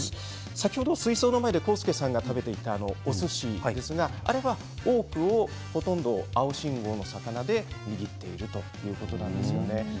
先ほど、水槽の前で浩介さんが食べていた、おすしですがあれは多くを青信号の魚で握っているということです。